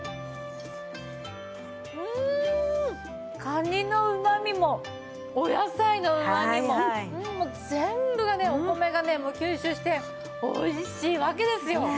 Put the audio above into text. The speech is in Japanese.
カニのうまみもお野菜のうまみも全部お米が吸収しておいしいわけですよ。